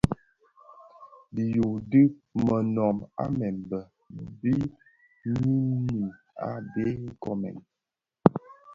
Di yuu di monōb a mbembe bi ňyinim a be nkoomèn.